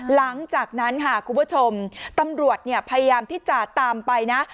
หลังจากนั้นค่ะคุณผู้ชมตำรวจพยายามที่จะตามไปนะ